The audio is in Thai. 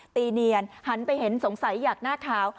ตีเนียนหันไปเห็นสงสัยอยากหน้าขาว